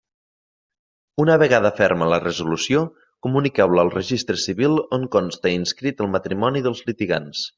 Una vegada ferma la resolució, comuniqueu-la al Registre Civil on conste inscrit el matrimoni dels litigants.